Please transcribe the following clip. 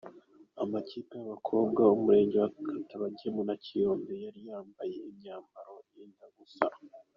Amakipe y’abakobwa umurenge wa Katabagemu na Kiyombe yari yambaye imyambaro yenda gusa.